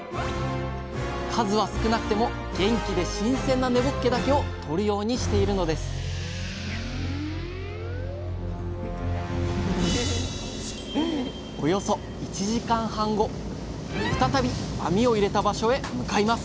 数は少なくても元気で新鮮な根ぼっけだけをとるようにしているのですおよそ１時間半後再び網を入れた場所へ向かいます